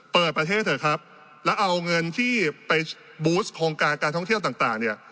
เปิดประเทศเถอะครับแล้วเอาเงินที่ไปบูสโครงการการท่องเที่ยวต่างเนี่ย